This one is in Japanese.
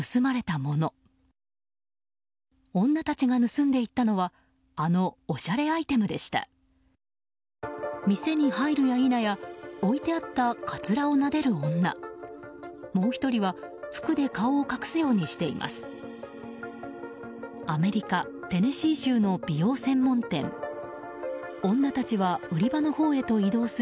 もう１人は服で顔を隠すようにしています。